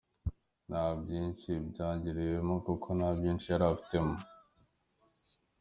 Nta byinshi byangirikiyemo kuko nta byinshi yari afitemo.